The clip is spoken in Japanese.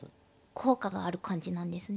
効果がある感じなんですね？